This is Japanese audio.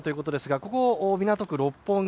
ここ港区六本木